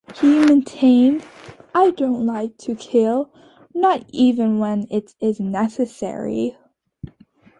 He maintained: "I don't like to kill... not even when it is necessary".